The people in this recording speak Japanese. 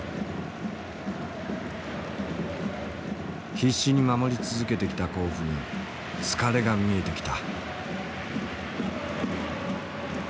必死に守り続けてきた甲府に疲れが見えてきた。